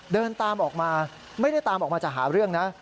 เดินตามออกมาไม่ได้ตามออกมาจะหาเรื่องนะ